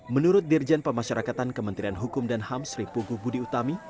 menurut dirjen pemasyarakatan kementerian hukum dan ham sri pugu budi utami